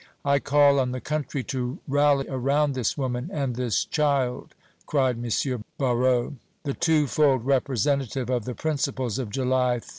"I call on the country to rally around this woman and this child," cried M. Barrot, "the two fold representative of the principles of July, '30!"